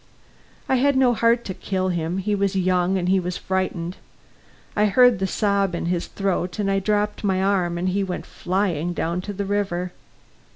I had no heart to kill him; he was young and he was frightened. I heard the sob in his throat as I dropped my arm and he went flying down to the river.